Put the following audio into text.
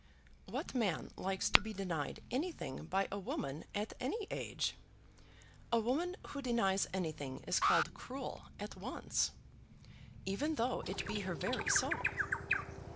"What man likes to be denied anything by a woman at any age? A woman who denies anything is called cruel at once, even though it be her very soul."